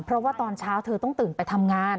เพราะว่าตอนเช้าเธอต้องตื่นไปทำงาน